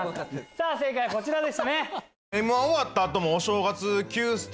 正解はこちらでしたね。